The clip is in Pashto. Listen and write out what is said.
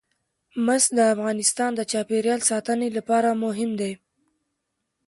مس د افغانستان د چاپیریال ساتنې لپاره مهم دي.